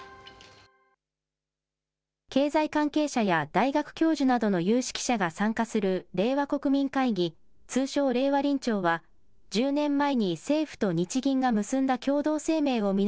経済関係者や大学教授などの有識者が参加する令和国民会議、通称、令和臨調は、１０年前に政府と日銀が結んだ共同声明を見直